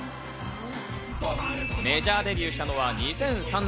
メジャーデビューしたのは２００３年。